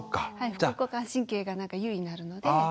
副交感神経が優位になるので。